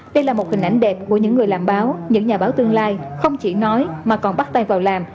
đây là một hình ảnh đẹp của những người làm báo những nhà báo tương lai không chỉ nói mà còn bắt tay vào làm